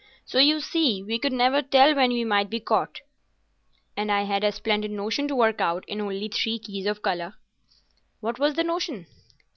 So, you see, we could never tell when we might be caught, and I had a splendid notion to work out in only three keys of colour." "What was the notion?"